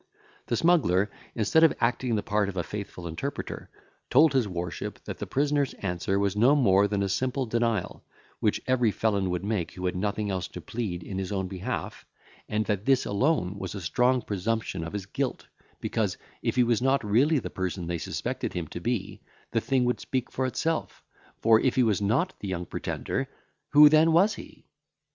The smuggler, instead of acting the part of a faithful interpreter, told his worship, that the prisoner's answer was no more than a simple denial, which every felon would make who had nothing else to plead in his own behalf, and that this alone was a strong presumption of his guilt, because, if he was not really the person they suspected him to be, the thing would speak for itself, for, if he was not the Young Pretender, who then was he?